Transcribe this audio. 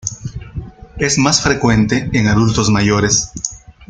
Es más frecuente en adultos mayores.